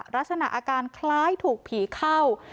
ลักษณะอาการคล้ายถูกผีเข้า